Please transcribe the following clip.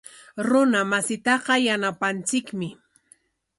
Runa masintaqa yanapananchikmi.